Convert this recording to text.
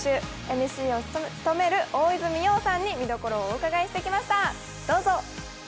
ＭＣを務める大泉洋さんに見どころをお伺いしてきました。